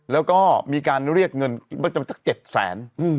แล้วก็มีการเรียกเงินบ้างจำเป็นสัก๗แสน